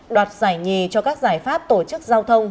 đoạt giải nhì cho các giải pháp tổ chức giao thông